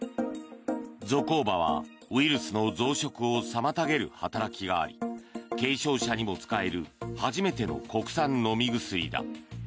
ゾコーバはウイルスの増殖を妨げる働きがあり軽症者にも使える初めての国産飲み薬だ。